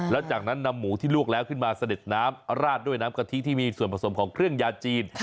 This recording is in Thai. แล้วจากนั้นนำหมูที่ลวกแล้วขึ้นมาเสด็จน้ำราดด้วยน้ำกะทิที่มีส่วนผสมของเครื่องยาจีน